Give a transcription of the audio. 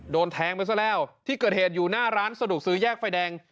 โดนแทงไปซะแล้วที่เกิดเหตุอยู่หน้าร้านสะดวกซื้อแยกไฟแดง